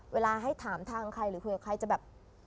เวลาให้ถามทางใครหรือคุยกับใครจะแบบ